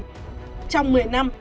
trong một mươi năm